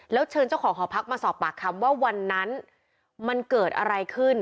แล้วเชิญเจ้าของหอพักมาสอบปากคำว่าวันนั้นมันเกิดอะไรขึ้น